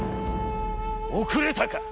『怯れたか。